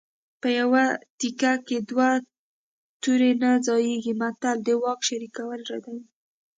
په یوه تیکي کې دوه تورې نه ځاییږي متل د واک شریکول ردوي